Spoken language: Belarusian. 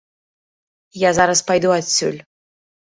Я зараз пайду адсюль.